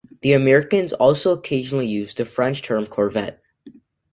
The Americans also occasionally used the French term corvette.